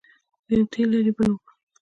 یوه تېل لري بل اوبه.